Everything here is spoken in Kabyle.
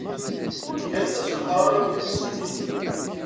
Gant-as leqrar i udlis-nni.